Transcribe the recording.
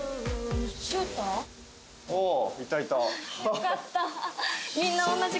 よかった！